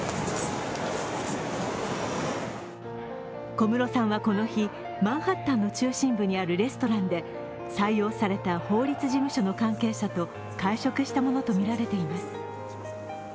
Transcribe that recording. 小室さんはこの日、マンハッタンの中心部にあるレストランで採用された法律事務所の関係者と会食したものとみられています。